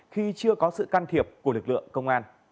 khi chưa có sự can thiệp của lực lượng công an